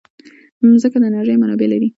مځکه د انرژۍ منابع لري.